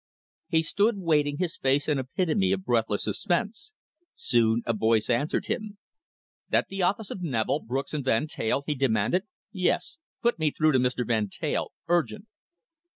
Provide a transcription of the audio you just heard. He stood waiting, his face an epitome of breathless suspense. Soon a voice answered him. "That the office of Neville, Brooks and Van Teyl?" he demanded. "Yes! Put me through to Mr. Van Teyl. Urgent!"